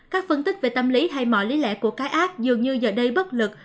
các phân tích về tâm lý hay mọi lý lẽ của cái app dường như giờ đây bất lực